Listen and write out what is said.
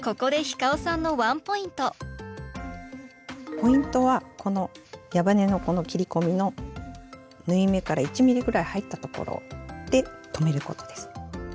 ここでポイントはこの矢羽根のこの切り込みの縫い目から１ｍｍくらい入ったところで止めることです。